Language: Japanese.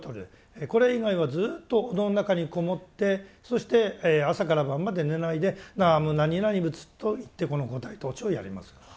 これ以外はずっとお堂の中に籠もってそして朝から晩まで寝ないで「南無何々仏」と言ってこの五体投地をやります。